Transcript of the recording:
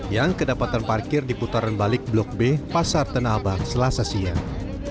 yang kedapatan parkir di putaran balik blok b pasar tanah abang selasa siang